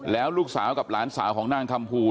แล้วลูกสาวกับหลานสาวของนางคำภู